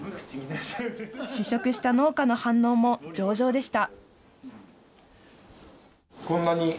試食した農家の反応も上々でした。